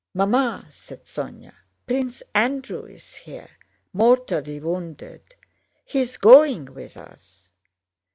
"Mamma," said Sónya, "Prince Andrew is here, mortally wounded. He is going with us."